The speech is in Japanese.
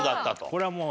これはもう。